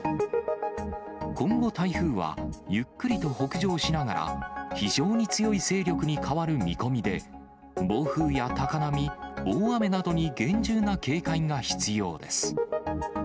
今後台風はゆっくりと北上しながら、非常に強い勢力に変わる見込みで、暴風や高波、大雨などに厳重な警戒が必要です。